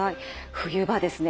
冬場ですね